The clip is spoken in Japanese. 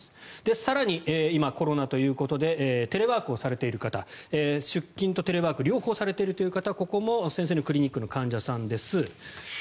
更に今、コロナということでテレワークをされている方出勤とテレワークを両方されている方はここも先生のクリニックの患者さんです。